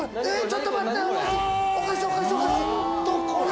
ちょっと待って。